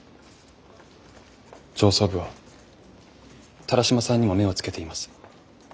上層部は田良島さんにも目をつけています。